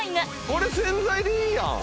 これ宣材でいいやん！